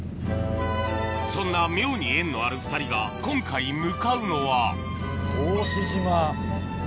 そんな妙に縁のある２人が今回向かうのは答志島。